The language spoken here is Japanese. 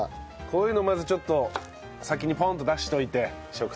こういうのまずちょっと先にポンッと出しといて食卓にね。